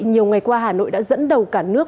nhiều ngày qua hà nội đã dẫn đầu cả nước